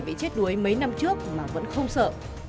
bị chết đuối mấy năm trước mà vẫn không sợ